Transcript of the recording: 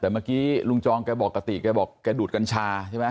แต่เมื่อกี้ลุงจองแกบอกกะติแกบอกแกดูดกัญชาใช่ไหม